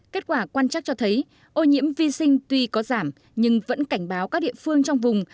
kết quả quan trắc cho thấy ô nhiễm vi sinh tuy có giảm nhưng vẫn cảnh báo các địa phương trong vùng